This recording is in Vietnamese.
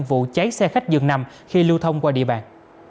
vụ cháy xe khách dường nằm khi lưu thông qua địa bàn